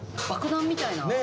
爆弾みたいな。